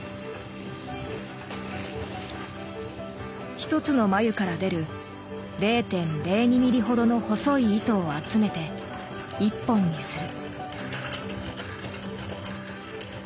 一つの繭から出る０．０２ミリほどの細い糸を集めて一本にする。